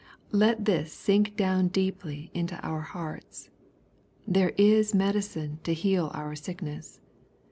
Let this sink down deeply into our hearts. There is medicine to heal our sickness.